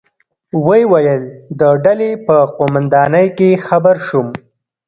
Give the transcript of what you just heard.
ویې ویل: د ډلې په قومندانۍ کې خبر شوم.